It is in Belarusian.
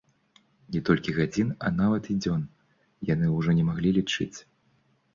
Не толькі гадзін, а нават і дзён яны ўжо не маглі лічыць.